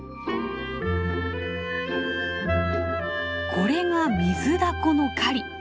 これがミズダコの狩り！